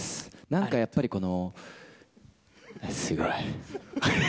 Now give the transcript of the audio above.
なんかやっぱり、このすごい。